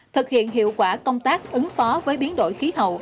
thực hiện hiệu quả công tác ứng phó với biến đổi khí hậu